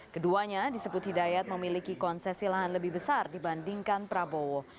keduanya disebut hidayat memiliki konsesi lahan lebih besar dibandingkan prabowo